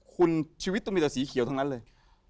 ควรชีวิตมีแต่สีเขียวทั้งแต่เลย